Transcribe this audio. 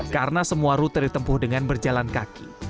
karena semua rute ditempuh dengan berjalan kaki